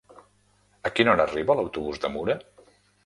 A quina hora arriba l'autobús de Mura?